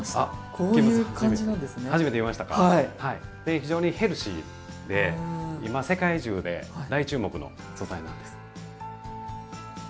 非常にヘルシーで今世界中で大注目の素材なんです。